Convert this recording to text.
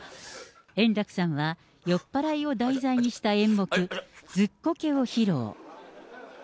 円楽さんは酔っぱらいを題材にした演目、ずっこけを披露。